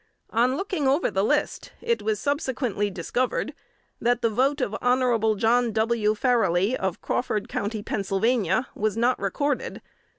On looking over the list, it was subsequently discovered, that the vote of Hon. John W. Farrelly of Crawford county, Pennsylvania, was not recorded.